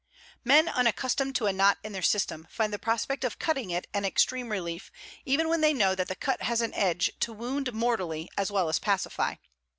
Men unaccustomed to a knot in their system find the prospect of cutting it an extreme relief, even when they know that the cut has an edge to wound mortally as well as pacify.